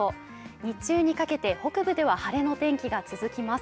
日中にかけて北部では晴れの天気が続きます。